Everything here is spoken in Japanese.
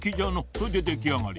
それでできあがり。